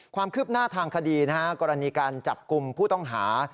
ความคืบหน้าทางคดีนะฮะกรณีการจับกลุ่มผู้ต้องหา